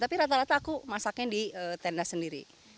tapi rata rata aku masaknya di tenda sendiri